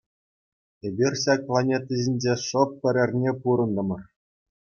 Эпир ҫак планета ҫинче шӑп пӗр эрне пурӑнтӑмӑр.